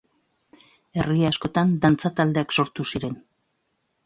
Herri askotan dantza taldeak sortu ziren.